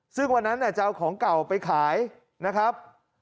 ซึ่งวันนั้นจะเอาของเก่าไปขายนะครับ